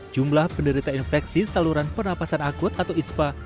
jumlah penderita infeksi saluran pernapasan akut atau ispa